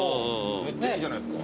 めっちゃいいじゃないっすか。